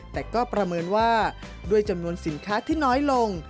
แต่ก็ประเมินว่าด้วยจำนวนสินค้าที่น้อยลง